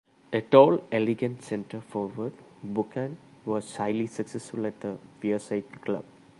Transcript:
A tall, elegant centre forward, Buchan was highly successful at the Wearside club.